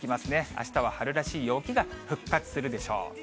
あしたは春らしい陽気が復活するでしょう。